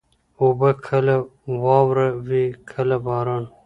اوبه کله واوره وي، کله باران.